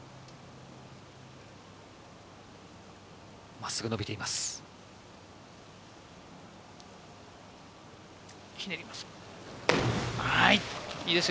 真っすぐに伸びています。